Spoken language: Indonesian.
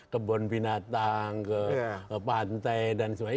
kebun binatang ke pantai dan sebagainya